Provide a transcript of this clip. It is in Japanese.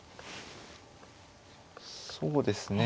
そうですね。